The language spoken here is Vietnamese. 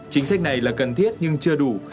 chính sách này là cần thiết nhưng chưa đủ